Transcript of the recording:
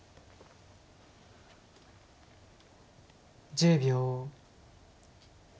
１０秒。